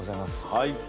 はい。